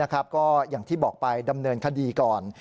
ก็อย่างที่บอกไปดำเนินคดีก่อน